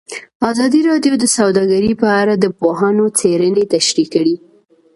ازادي راډیو د سوداګري په اړه د پوهانو څېړنې تشریح کړې.